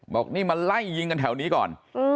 บอกนี่มาไล่ยิงกันแถวนี้ก่อน